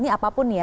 ini apapun ya